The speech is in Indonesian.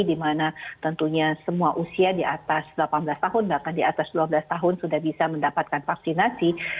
di mana tentunya semua usia di atas delapan belas tahun bahkan di atas dua belas tahun sudah bisa mendapatkan vaksinasi